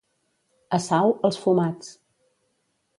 A Sau, els fumats.